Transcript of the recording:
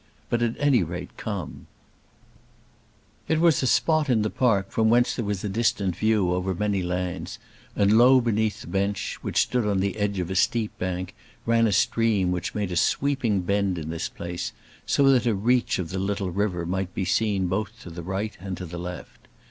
But at any rate come." So they went to the seat. It was a spot in the park from whence there was a distant view over many lands, and low beneath the bench, which stood on the edge of a steep bank, ran a stream which made a sweeping bend in this place, so that a reach of the little river might be seen both to the right and to the left.